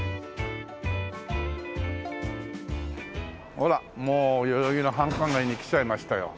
ほらもう代々木の繁華街に来ちゃいましたよ。